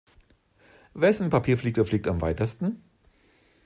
Wessen Papierflieger fliegt am weitesten?